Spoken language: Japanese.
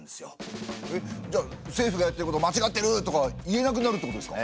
えっじゃあ「政府がやってることまちがってる！」とか言えなくなるってことですか？